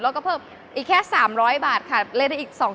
เราก็เพิ่มอีกแค่๓๐๐บาทค่ะเล่นอีก๒ชั่วโมง